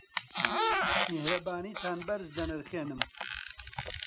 میهرەبانیتان بەرز دەنرخێنم.